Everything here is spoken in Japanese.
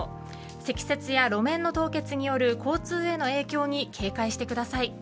積雪や路面の凍結による交通への影響に警戒してください。